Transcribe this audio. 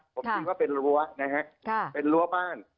ผมคิดว่าเป็นรั้วนะฮะเป็นรั้วบ้าน